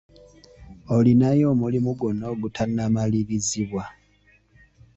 Olinayo omulimu gwonna ogutannamalirizibwa?